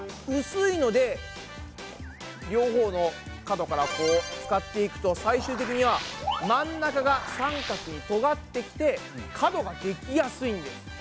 薄いので両方の角からこう使っていくと最終的には真ん中が三角にとがってきて角ができやすいんです！